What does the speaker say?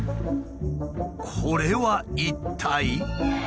これは一体？